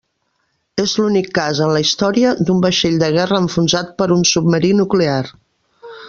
És l'únic cas en la història d'un vaixell de guerra enfonsat per un submarí nuclear.